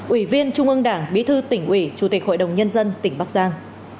ủy viên trung ương đảng bí thư tỉnh ủy chủ tịch hội đồng nhân dân tỉnh bắc giang